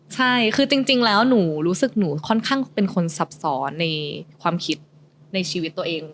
ใช่คือจริงแล้วหนูรู้สึกหนูค่อนข้างเป็นคนซับซ้อนในความคิดในชีวิตตัวเอง